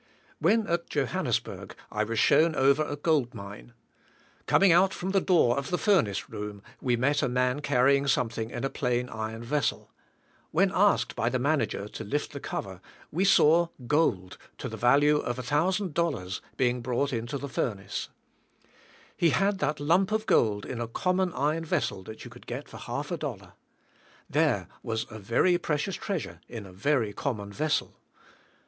When at Johannesburg, I was shown over a gold mine. Coming out from the door of the furnace room we met a man carrying something in a plain iron vessel. When asked, by the manager, to lift the cover, we saw gold to the value of $1,000 being brought in to the furnace. He had that lump of gold in a common iron vessel that you could get for a half a dollar. There was a very precious treasure in a very common vessel.